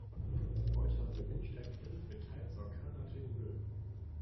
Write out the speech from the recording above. Heute haben wir Windstärke fünf mit teils orkanartigen Böen.